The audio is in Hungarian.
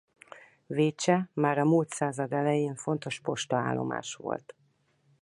Vécse már a mult század elején fontos postaállomás volt.